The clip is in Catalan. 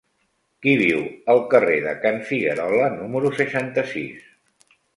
Qui viu al carrer de Can Figuerola número seixanta-sis?